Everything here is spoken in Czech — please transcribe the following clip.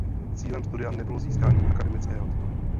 Cílem studia nebylo získání akademického titulu.